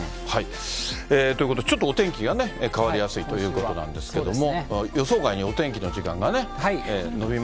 ということで、ちょっとお天気がね、変わりやすいということなんですけども。